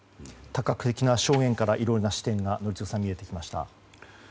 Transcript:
多角的な証言からいろいろな証言が見えてきました。